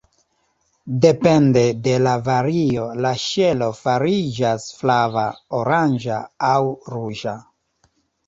Depende de la vario la ŝelo fariĝas flava, oranĝa aŭ ruĝa.